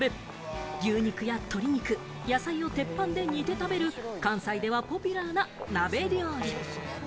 牛肉や鶏肉、野菜を鉄板で煮て食べる、関西ではポピュラーな鍋料理。